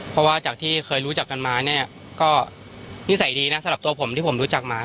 เพราะว่าจากที่เคยรู้จักกันมาเนี่ยก็นิสัยดีนะสำหรับตัวผมที่ผมรู้จักหมา